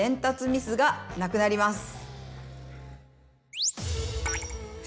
ミスがなくなります。